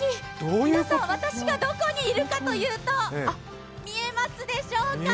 皆さん、私がどこにいるかというと、見えますでしょうか。